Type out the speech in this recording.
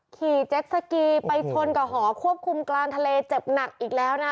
เจ็ดสกีไปชนกับหอควบคุมกลางทะเลเจ็บหนักอีกแล้วนะ